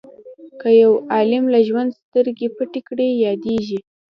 که یو عالم له ژوند سترګې پټې کړي یادیږي.